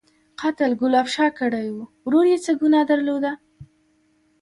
_قتل ګلاب شاه کړی و، ورور يې څه ګناه درلوده؟